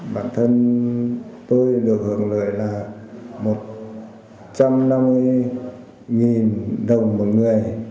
bản thân tôi được hưởng lợi là một trăm năm mươi đồng một người